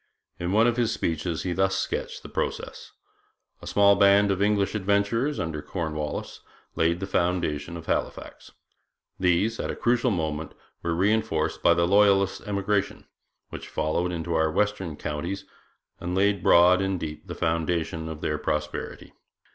In one of his speeches he thus sketched the process: 'A small band of English adventurers, under Cornwallis, laid the foundation of Halifax. These, at a critical moment, were reinforced by the Loyalist emigration, which flowed into our western counties and laid broad and deep the foundation of their prosperity.